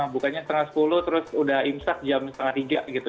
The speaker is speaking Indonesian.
bukanya setengah sepuluh terus udah imsak jam setengah tiga gitu